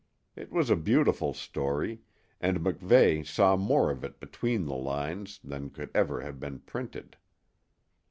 It was a beautiful story, and MacVeigh saw more of it between the lines than could ever have been printed.